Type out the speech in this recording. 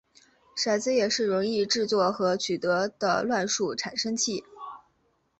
骰子也是容易制作和取得的乱数产生器。